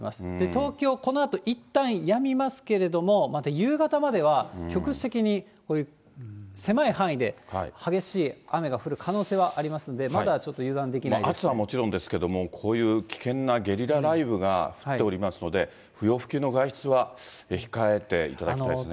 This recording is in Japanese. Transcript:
東京、このあといったんやみますけれども、また夕方までは、局地的に、こういう狭い範囲で激しい雨が降る可能性はありますんで、暑さはもちろんですけれども、こういう危険なゲリラ雷雨が降っておりますので、不要不急の外出は控えていただきたいですね。